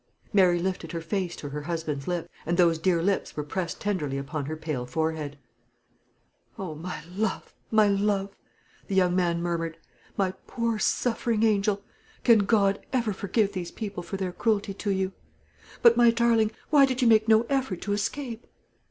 Mary lifted her face to her husband's lips, and those dear lips were pressed tenderly upon her pale forehead. "O my love, my love!" the young man murmured; "my poor suffering angel! Can God ever forgive these people for their cruelty to you? But, my darling, why did you make no effort to escape?"